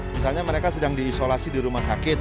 misalnya mereka sedang diisolasi di rumah sakit